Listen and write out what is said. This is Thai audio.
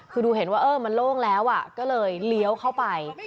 คือดูเห็นว่าเออมันโล่งแล้วก็เลยเลี้ยวเข้าไป